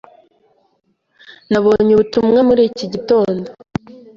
Nabonye ubutumwa muri iki gitondo?